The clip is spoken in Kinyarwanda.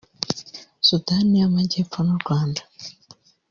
Sudan y’Amajyepfo n’u Rwanda